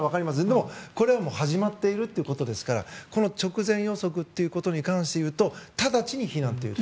でも、これは始まっているってことですから直前予測ということに関して言うと、直ちに避難をと。